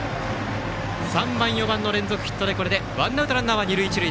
３番、４番の連続ヒットでワンアウトランナー、二塁一塁。